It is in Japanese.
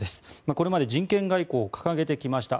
これまで人権外交を掲げてきました。